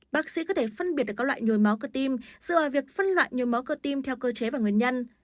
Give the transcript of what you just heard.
bác sĩ có thể phân biệt được các loại nhồi máu cơ tim dựa việc phân loại nhồi máu cơ tim theo cơ chế và nguyên nhân